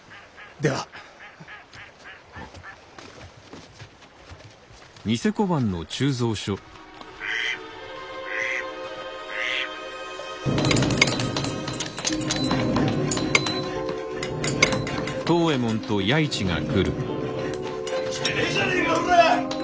・出来てねえじゃねえかこら！